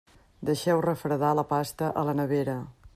Deixeu refredar la pasta a la nevera.